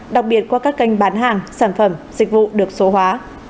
đặc biệt qua các kênh bán hàng sản phẩm dịch vụ được số hóa